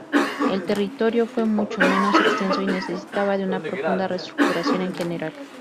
El territorio fue mucho menos extenso y necesitaba de una profunda reestructuración en general.